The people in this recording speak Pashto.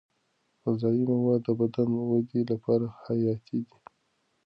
غذايي مواد د بدن ودې لپاره حیاتي دي.